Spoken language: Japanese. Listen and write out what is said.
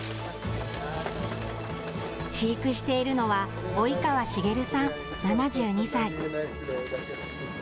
飼育しているのは及川茂さん７２歳。